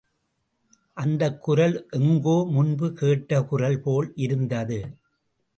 அந்தக் குரல் எங்கோ முன்பு கேட்ட குரல் போல் இருந்தது.